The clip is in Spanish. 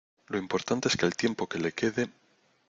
lo importante es que el tiempo que le quede